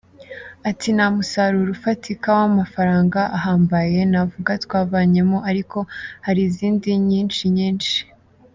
Ati “Nta musaruro ufatika w’amafaranga ahambaye navuga twavanyemo, ariko hari izindi nyinshi nyinshi.